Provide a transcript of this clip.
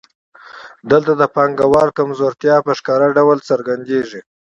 دلته د پانګوال کمزورتیا په ښکاره ډول څرګندېږي